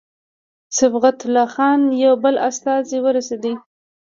صبغت الله خان یو بل استازی ورسېدی.